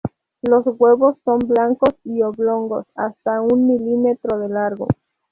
Los huevos son blancos y oblongos, hasta un milímetro de largo.